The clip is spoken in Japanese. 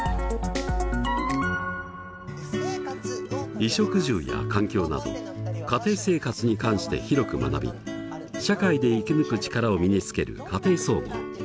衣食住や環境など家庭生活に関して広く学び社会で生き抜く力を身につける「家庭総合」。